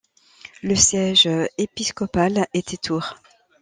Le siège épiscopal était Tours.